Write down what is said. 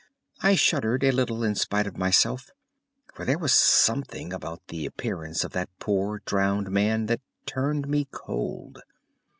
I shuddered a little in spite of myself, for there was something about the appearance of that poor drowned man that turned me cold.